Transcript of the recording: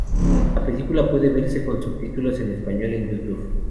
La película puede verse con subtítulos en español en Youtube.